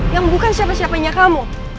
yang bukan siapa siapanya kamu